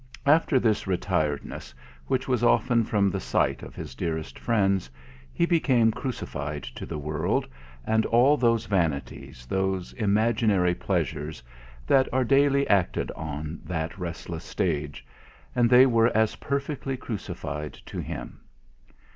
In this retiredness, which was often from the sight of his dearest friends, he became crucified to the world, and all those vanities, those imaginary pleasures, that are daily acted on that restless stage, and they were as perfectly crucified to him.